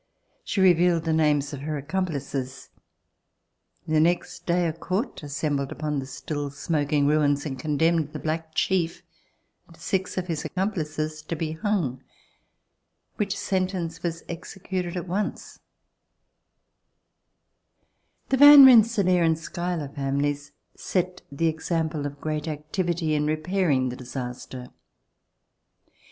She revealed the names of her accomplices. The next day a court assembled upon the still smoking ruins, and condemned the black chief and six of his accomplices to be hung, which sentence was executed at once. C 192] ARRIVAL IN AMERICA The Van Rensselaer and Schuyler families set the example of great activity in repairing the disaster.